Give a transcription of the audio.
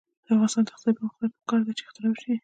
د افغانستان د اقتصادي پرمختګ لپاره پکار ده چې اختراع وشي.